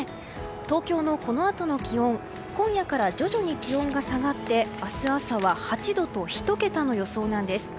東京のこのあとの気温今夜から徐々に気温が下がって明日朝は８度と１桁の予想です。